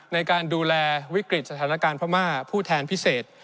ในการดูแลวิกฤตสถานการณ์พม่าผู้แทนพิเศษ